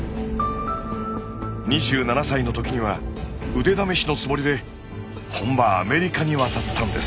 ２７歳の時には腕試しのつもりで本場アメリカに渡ったんです。